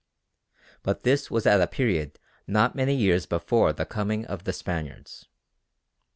But this was at a period not many years before the coming of the Spaniards.